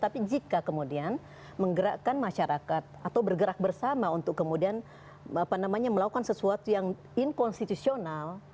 tapi jika kemudian menggerakkan masyarakat atau bergerak bersama untuk kemudian melakukan sesuatu yang inkonstitusional